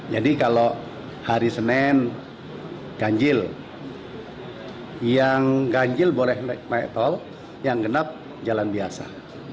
jadi kalau hari senin ganjil yang ganjil boleh naik tol yang genap jalan biasa